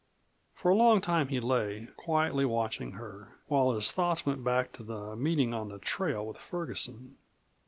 For a long time he lay, quietly watching her, while his thoughts went back to the meeting on the trail with Ferguson.